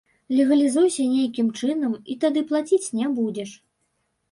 Легалізуйся нейкім чынам і тады плаціць не будзеш.